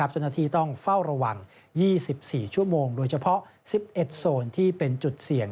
เจ้าหน้าที่ต้องเฝ้าระวัง๒๔ชั่วโมงโดยเฉพาะ๑๑โซนที่เป็นจุดเสี่ยง